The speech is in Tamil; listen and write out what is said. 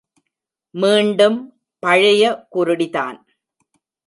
மீண்டும் பழைய குருடிதான்.